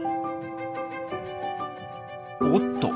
おっと！